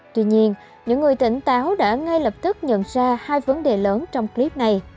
tuy nhiên những người tỉnh táo đã ngay lập tức nhận ra hai vấn đề lớn trong clip này